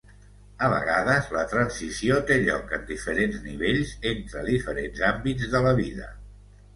A vegades, la transició té lloc en diferents nivells entre diferents àmbits de la vida.